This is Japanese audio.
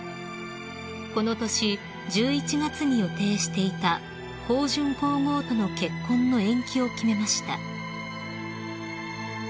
［この年１１月に予定していた香淳皇后との結婚の延期を決めました］